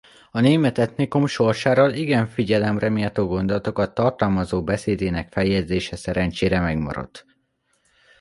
A német etnikum sorsáról igen figyelemreméltó gondolatokat tartalmazó beszédének feljegyzése szerencsére megmaradt.